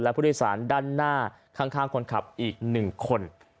ผู้โดยสารด้านหน้าข้างคนขับอีก๑คน